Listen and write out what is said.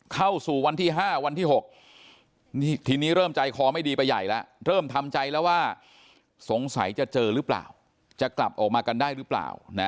เข้าสู่วันที่๕วันที่๖ทีนี้เริ่มใจคอไม่ดีไปใหญ่แล้วเริ่มทำใจแล้วว่าสงสัยจะเจอหรือเปล่าจะกลับออกมากันได้หรือเปล่า